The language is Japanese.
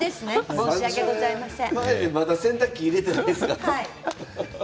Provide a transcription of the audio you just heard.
申し訳ございません。